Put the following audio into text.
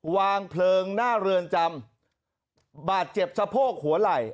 วางเพลิงหน้าเรือนจำบาดเจ็บสะโพกหัวไหล่